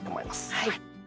はい。